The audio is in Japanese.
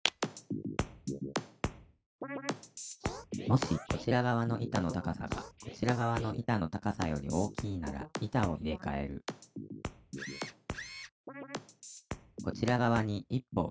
もしこちら側の板の高さがこちら側の板の高さより大きいなら板を入れかえるこちら側に１歩動く。